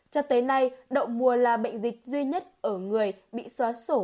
cho tới nay đậu mùa là bệnh dịch duy nhất ở người bị xóa sổ